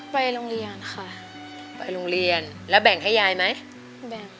ไปโรงเรียนค่ะไปโรงเรียนแล้วแบ่งให้ยายไหมแบ่ง